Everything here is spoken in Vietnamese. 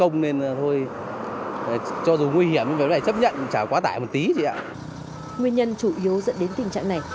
nguyên nhân chủ yếu dẫn đến tình trạng này